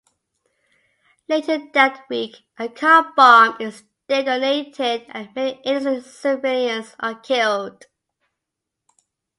Later that week, a car bomb is detonated and many innocent civilians are killed.